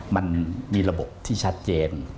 มันมีระบบที่ชัดเจน